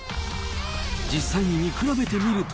実際に見比べてみると。